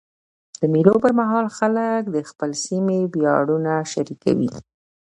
د مېلو پر مهال خلک د خپل سیمي ویاړونه شریکوي.